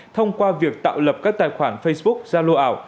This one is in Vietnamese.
thông qua việc tạo lập các tài khoản facebook ra lô ảo